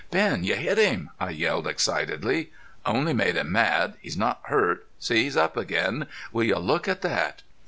"Ben, you hit him!" I yelled, excitedly. "Only made him mad. He's not hurt.... See, he's up again.... Will you look at that!"